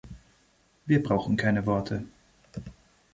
Wir brauchen keine Worte.